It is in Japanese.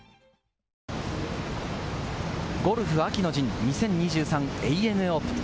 ゴルフ秋の陣、２０２３ＡＮＡオープン。